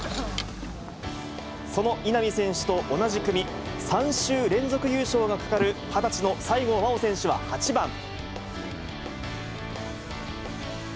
その稲見選手と同じ組、３週連続優勝がかかる２０歳の西郷真央選手は、８番。